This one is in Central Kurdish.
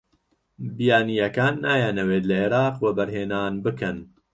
بیانییەکان نایانەوێت لە عێراق وەبەرهێنان بکەن.